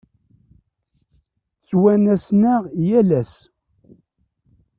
Ttwanasen-aɣ yal ass.